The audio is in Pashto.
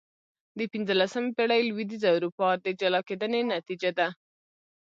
د پنځلسمې پېړۍ لوېدیځه اروپا د جلا کېدنې نتیجه ده.